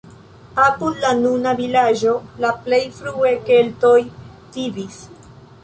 Apud la nuna vilaĝo la plej frue keltoj vivis.